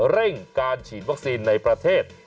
เร่งการฉีดวัคซีนในประเทศ